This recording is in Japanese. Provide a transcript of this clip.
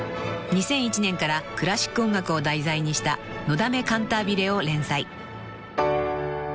［２００１年からクラシック音楽を題材にした『のだめカンタービレ』を連載］